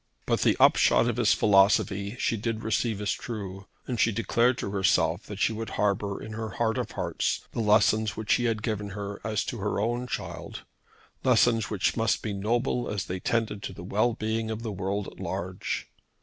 But the upshot of his philosophy she did receive as true, and she declared to herself that she would harbour in her heart of hearts the lessons which he had given her as to her own child, lessons which must be noble as they tended to the well being of the world at large.